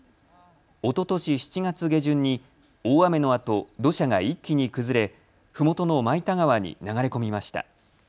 おととし７月下旬に大雨のあと土砂が一気に崩れふもとの蒔田川に流れ込みました。